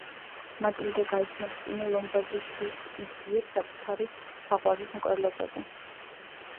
მატილდე გაიცნობს ტინა ლომბარდის შურს იძიებს საკუთარი საყვარელის მკვლელზე.